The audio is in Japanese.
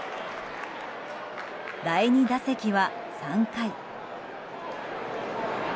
第２打席は３回。